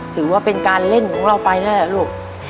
ถือว่าเป็นการเล่นของเราไปนั่นแหละลูก